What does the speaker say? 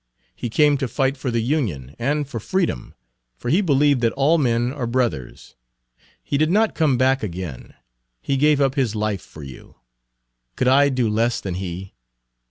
He came to fight for the Union and for Freedom, for he believed that all men are brothers. He did not come back again he gave up his life for you. Could I do less than he?